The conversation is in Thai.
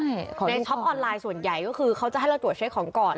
ใช่ของในช็อปออนไลน์ส่วนใหญ่ก็คือเขาจะให้เราตรวจเช็คของก่อน